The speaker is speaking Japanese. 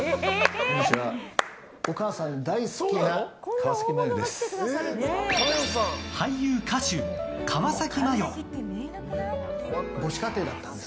お母さん大好きな川崎麻世です。